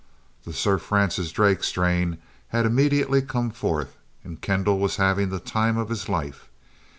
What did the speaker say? The Sir Francis Drake strain had immediately come forth and Kendall was having the time of his life.